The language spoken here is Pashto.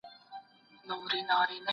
ټولنه یوازې مسلکي کسان غواړي.